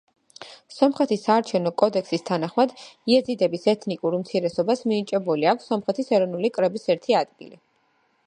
სომხეთის საარჩევნო კოდექსის თანახმად იეზიდების ეთნიკურ უმცირესობას მინიჭებული აქვს სომხეთის ეროვნული კრების ერთი ადგილი.